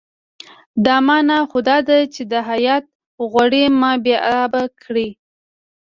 دا معنی خو دا ده چې دا هیات غواړي ما بې آبه کړي.